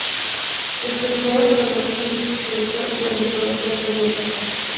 Estudió odontología y se especializó en odontología pediátrica.